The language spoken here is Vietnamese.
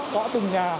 tỏa từng nhà